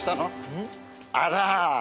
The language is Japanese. あら。